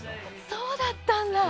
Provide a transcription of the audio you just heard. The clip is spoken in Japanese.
そうだったんだ。